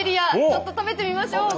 ちょっと食べてみましょう。